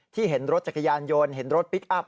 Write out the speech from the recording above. เห็นรถจักรยานยนต์เห็นรถพลิกอัพ